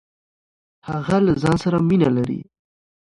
هغه له ځان سره مينه لري.